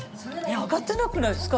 上がってなくないですか？